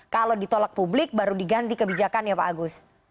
kalau ditolak publik baru diganti kebijakan ya pak agus